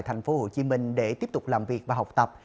thành phố hồ chí minh để tiếp tục làm việc và học tập